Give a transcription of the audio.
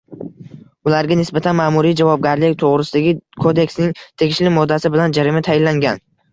Ularga nisbatan Ma’muriy javobgarlik to‘g‘risidagi kodeksning tegishli moddasi bilan jarima tayinlangan